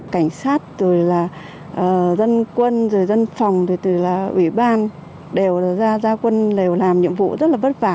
cảnh sát dân quân dân phòng ủy ban đều ra quân làm nhiệm vụ rất là vất vả